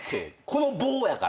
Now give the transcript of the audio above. この棒やから。